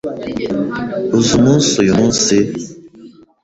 Uzi umunsi uyumunsi?